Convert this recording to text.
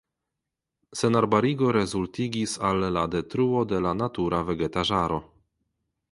Senarbarigo resultigis al la detruo de la natura vegetaĵaro.